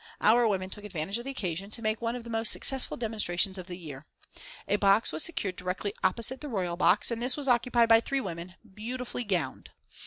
Our women took advantage of the occasion to make one of the most successful demonstrations of the year. A box was secured directly opposite the Royal Box, and this was occupied by three women, beautifully gowned.